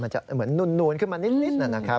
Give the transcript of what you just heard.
มันจะเหมือนหนุนขึ้นมานิดนั่นนะครับ